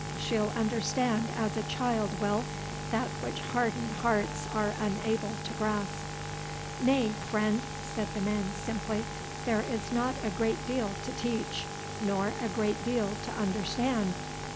She'll understand as a child will, that which hardened hearts are unable to grasp." "Nay, friend," said the man simply, "there is not a great deal to teach, nor a great deal to understand.